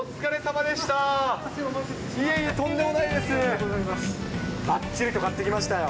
ばっちりと買ってきましたよ。